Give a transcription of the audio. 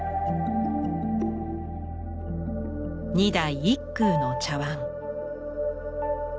二代一空の茶碗。